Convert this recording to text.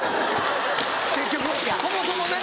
結局そもそもね。